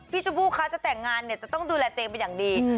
พี่ชูบูคะจะแต่งงานจะต้องดูแลเต๊กไปอย่างดี